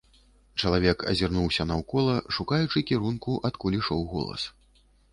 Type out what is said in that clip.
Чалавек азірнуўся наўкола, шукаючы кірунку, адкуль ішоў голас.